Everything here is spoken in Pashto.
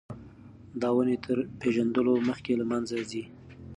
دا ونې تر پېژندلو مخکې له منځه ځي.